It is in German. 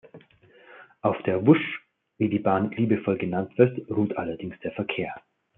Auf der "Wusch", wie die Bahn liebevoll genannt wird, ruht allerdings der Verkehr.